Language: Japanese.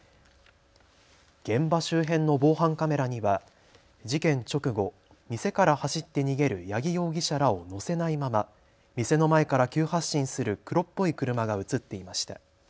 現場周辺の防犯カメラには事件直後、店から走って逃げる八木容疑者らを乗せないまま店の前から急発進する黒っぽい車が写っていました。